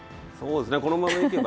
このままいけば。